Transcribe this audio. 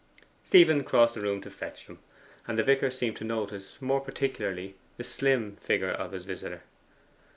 Stephen crossed the room to fetch them, and the vicar seemed to notice more particularly the slim figure of his visitor.